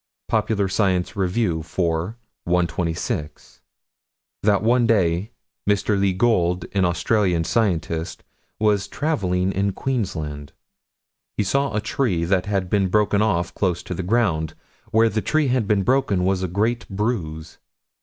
Popular Science Review, 4 126: That one day, Mr. Le Gould, an Australian scientist, was traveling in Queensland. He saw a tree that had been broken off close to the ground. Where the tree had been broken was a great bruise.